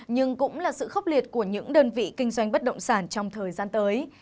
nhưng cũng là sự khốc liệt của những đơn vị kinh doanh bất động sản trong thời gian tới